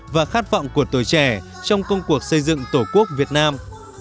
và khát vọng của tuổi trẻ trong công cuộc xây dựng tổ quốc việt nam